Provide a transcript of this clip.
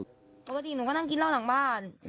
ปกติหนูก็นั่งกินเหล้าหลังบ้าน